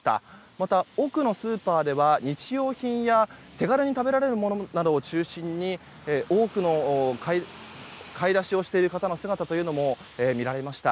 また奥のスーパーでは日用品や手軽に食べられるものなどを中心に多くの買い出しをしている方の姿というのも見られました。